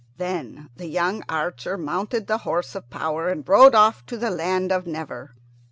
Then the young archer mounted the horse of power and rode off to the land of Never.